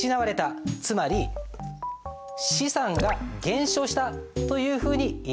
つまり資産が減少したというふうにいえるんです。